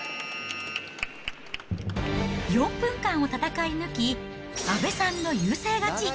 ４分間を戦い抜き、阿部さんの優勢勝ち。